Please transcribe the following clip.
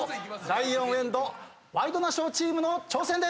第４エンドワイドナショーチームの挑戦です。